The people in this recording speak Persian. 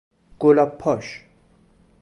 گلاب پاش